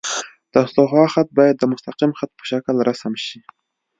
د استوا خط باید د مستقیم خط په شکل رسم شي